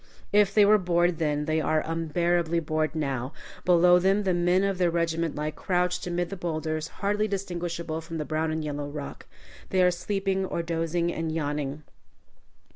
If they were bored then, they are unbearably bored now. Below them the men of their regiment lie crouched amid the bowlders, hardly distinguishable from the brown and yellow rock. They are sleeping, or dozing, or yawning.